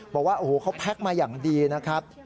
บอกว่าโอ้โหเขาแพ็คมาอย่างดีนะครับ